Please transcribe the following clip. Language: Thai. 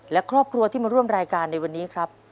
และครอบครัวที่มาร่วมรายการในวันนี้ครับ